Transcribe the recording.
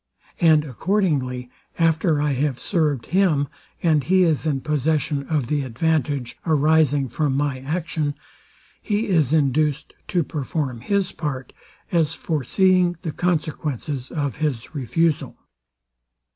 And accordingly, after I have served him, and he is in possession of the advantage arising from my action, he is induced to perform his part, as foreseeing the consequences of his refusal.